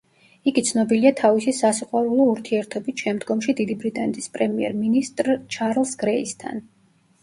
იგი ცნობილია თავისი სასიყვარულო ურთიერთობით შემდგომში დიდი ბრიტანეთის პრემიერ-მინისტრ ჩარლზ გრეისთან.